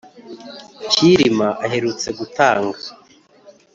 Cyilima aherutse gutanga